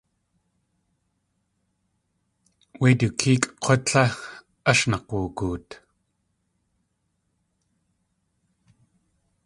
Wé du kéekʼ k̲wá tle ash nák̲ woogoot.